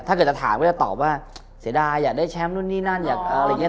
ถ้าเกิดจะถามก็จะตอบว่าเสียดายอยากได้แชมป์นู่นนี่นั่นอยากอะไรอย่างนี้